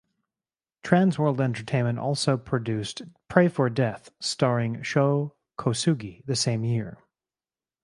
Trans World Entertainment also produced Pray for Death starring Sho Kosugi the same year.